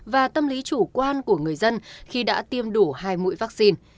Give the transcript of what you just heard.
và tâm lý chủ quan của người dân khi đã tiêm đủ hai mũi vaccine